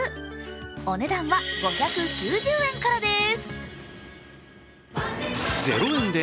お値段は５９０円からです。